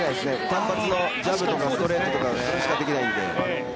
単発のジャブとかストレートとかしかできないんで。